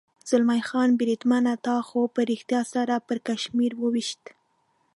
زلمی خان: بریدمنه، تا خو په رښتیا سر پړکمشر و وېشت.